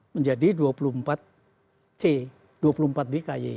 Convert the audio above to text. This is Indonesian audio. menjadi dua puluh empat c dua puluh empat b kay